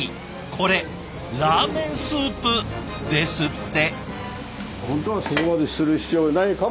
これラーメンスープですって。